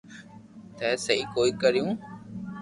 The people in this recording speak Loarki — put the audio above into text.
تي سھي ڪوئي ڪيريو